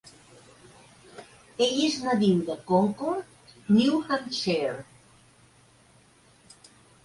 Ell és nadiu de Concord, New Hampshire.